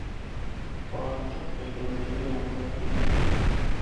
پارک تفریح دا ذریعہ ہوندے ہن۔